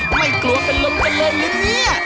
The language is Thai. ไม่กลัวเป็นลมกันเลยนะเนี่ย